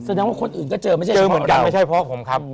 แสดงว่าคนอื่นก็เจอไม่ใช่เจอเหมือนกันไม่ใช่เพราะผมครับ